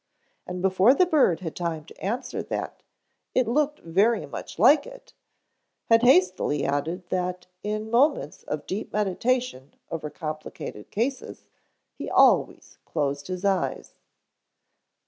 And before the bird had time to answer that it looked very much like it, had hastily added that in moments of deep meditation over complicated cases he always closed his eyes.